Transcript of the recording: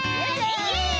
イエイ。